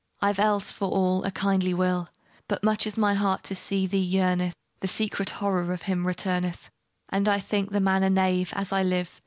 I've else, for all, a kindly will, But, much as my heart to see thee yearneth, The secret horror of him returneth; And I think the man a knave, as I live!